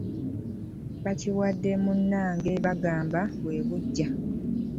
Bakiwadde munnange bagamba bwe buggya.